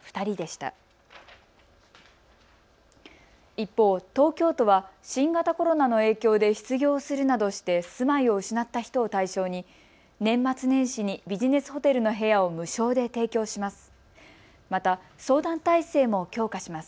一方、東京都は新型コロナの影響で失業するなどして住まいを失った人を対象に年末年始にビジネスホテルの部屋を無償で提供します。